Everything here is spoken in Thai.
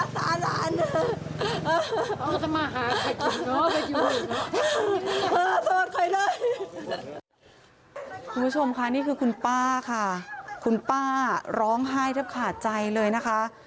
คุณผู้ชมค่ะนี่คือคุณป้าค่ะคุณป้าร้องไห้แทบขาดใจเลยนะคะ